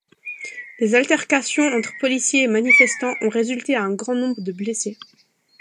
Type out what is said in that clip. Les altercations entre policiers et manifestants ont résulté à un grand nombre de blessés.